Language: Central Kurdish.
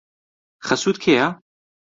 خەسووت کێیە؟